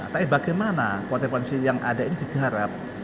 tapi bagaimana konsekuensi yang ada ini digarap